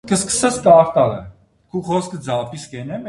Եւ այդ որուընէ ան մասնակցեցաւ շատ մը ձեռնարկներու։